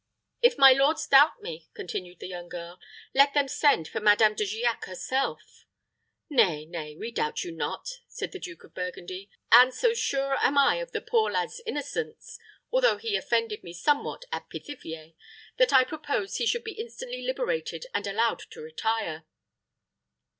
"If my lords doubt me," continued the young girl, "let them send for Madame De Giac herself." "Nay, nay, we doubt you not," said the Duke of Burgundy; "and so sure am I of the poor lad's innocence although he offended me somewhat at Pithiviers that I propose he should be instantly liberated, and allowed to retire."